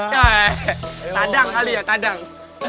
kayak tadang kali ya tadang